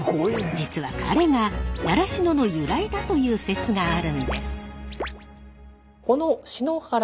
実は彼が習志野の由来だという説があるんです。